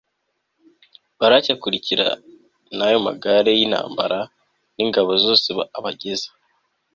Baraki akurikira n ayo magare y intambara o n ingabo zose abageza